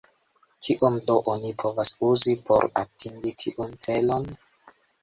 Kion do oni povas uzi por atingi tiun celon?